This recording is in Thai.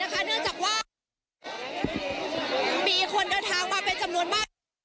เนื่องจากว่ามีคนเดินทางมาเป็นจำนวนมาก